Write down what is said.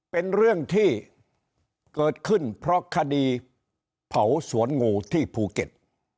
เป็นเรื่องที่เกิดขึ้นเพราะคดีเผาสวนงูที่ภูเก็ต